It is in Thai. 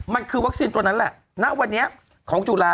ที่เขาบอกว่าต่อให้คุณรวยอย่างไง